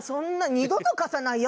二度と貸さないよ